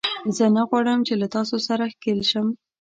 زه نه غواړم چې له تاسو سره ښکېل شم